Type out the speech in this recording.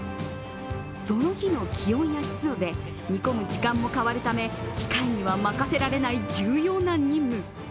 その日の気温や湿度で煮込む時間も変わるため機械には任せられない重要な任務。